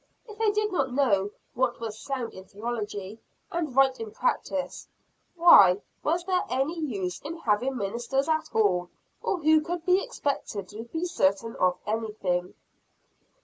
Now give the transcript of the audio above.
If they did not know what was sound in theology, and right in practise; why was there any use in having ministers at all, or who could be expected to be certain of anything?